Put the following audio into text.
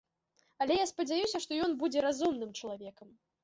Але я спадзяюся, што ён будзе разумным чалавекам.